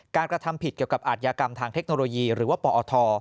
กระทำผิดเกี่ยวกับอาทยากรรมทางเทคโนโลยีหรือว่าปอท